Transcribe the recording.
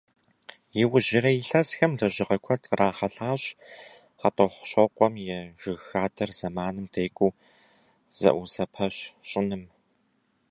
Иужьрей илъэсхэм лэжьыгъэ куэд кърахьэлӏащ Хьэтӏохъущокъуэм и жыг хадэр зэманым декӏуу зэӏузэпэщ щӏыным.